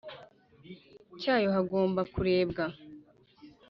Cyayo hagomba kurebwa